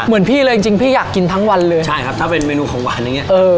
เหมือนพี่เลยจริงจริงพี่อยากกินทั้งวันเลยใช่ครับถ้าเป็นเมนูของหวานอย่างเงี้เออ